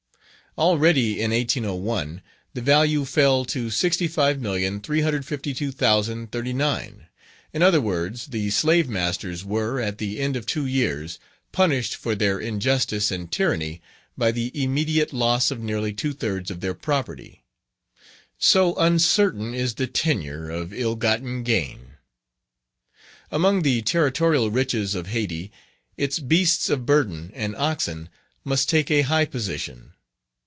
Already, in 1801, the value fell to 65,352,039; in other words, the slave masters were, at the end of two years, punished for their injustice and tyranny by the immediate loss of nearly two thirds of their property; so uncertain is the tenure of illgotten gain. Among the territorial riches of Hayti, its beasts of burden and oxen must take a high position.